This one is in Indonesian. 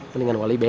mendingan wali ben